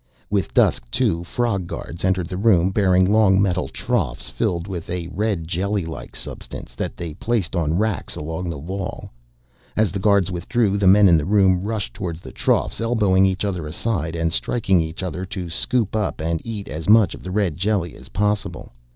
With dusk, too, frog guards entered the room bearing long metal troughs filled with a red jellylike substance, that they placed on racks along the wall. As the guards withdrew the men in the room rushed toward the troughs, elbowing each other aside and striking each other to scoop up and eat as much of the red jelly as possible.